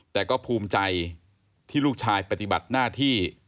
แต่ก็ภูมิใจที่ลูกชายปฏิบัติหน้าที่